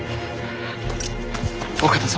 お方様。